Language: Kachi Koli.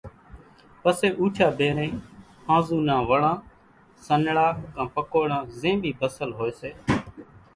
پسي اُوٺيا ڀيرين ۿانزُو نا وڙان، سنڙا ڪان پڪوڙان زين ٻي ڀسل ھوئي سي،